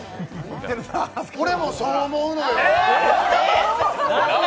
俺もそう思うのよ。